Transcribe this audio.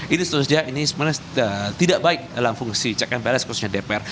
ini sebenarnya tidak baik dalam fungsi check and balance khususnya dpr